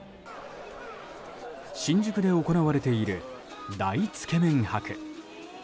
新宿で行われている大つけ麺博。